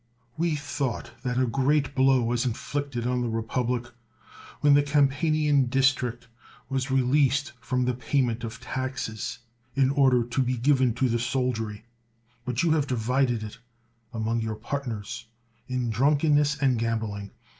We thought that a great blow was inflicted on the republic when the Campanian district was re leased from the pajmaent of taxes, in order to be given to the soldiery; but you have divided it among your partners in drunkenness and gam bling.